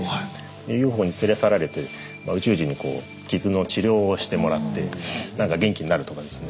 ＵＦＯに連れ去られて宇宙人に傷の治療をしてもらってなんか元気になるとかですね。